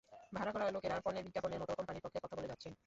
ভাড়া করা লোকেরা পণ্যের বিজ্ঞাপনের মতো কোম্পানির পক্ষে কথা বলে যাচ্ছেন।